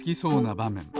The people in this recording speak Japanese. ばめん